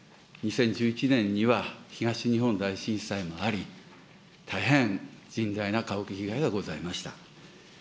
２０１１年には、東日本大震災もあり、大変甚大な家屋被害がございました。